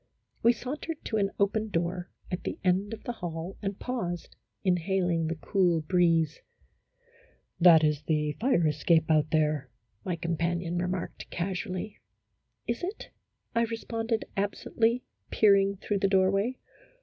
We sauntered to an open door at the end of the hall and paused, inhaling the cool breeze. " That is the fire escape out there," my companion remarked, casually. " Is it ?" I responded, absently, peering through the doorway.